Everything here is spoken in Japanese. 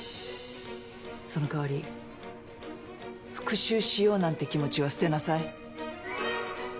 そのかわり復讐しようなんて気持ちは捨てなさい。